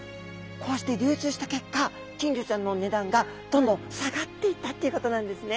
こうして流通した結果金魚ちゃんの値段がどんどん下がっていったっていうことなんですね。